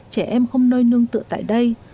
trẻ em không nơi nương tựa tại đây